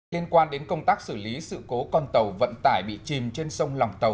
liên quan đến công tác xử lý sự cố con tàu vận tải bị chìm trên sông lòng tàu